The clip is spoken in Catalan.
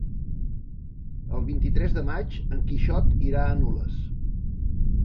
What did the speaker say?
El vint-i-tres de maig en Quixot irà a Nules.